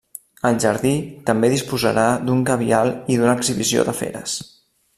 El jardí també disposarà d'un gabial i d'una exhibició de feres.